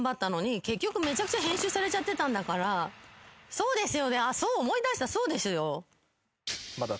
そうですよ。